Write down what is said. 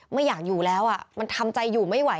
ไม่อยากอยู่แล้วมันทำใจอยู่ไม่ไหว